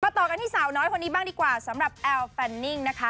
ต่อกันที่สาวน้อยคนนี้บ้างดีกว่าสำหรับแอลแฟนนิ่งนะคะ